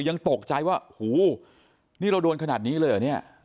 ยังตกใจว่าหูนี่เราโดนขนาดนี้เลยเหรอเนี่ย